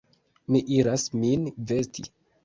Mi iras min vesti!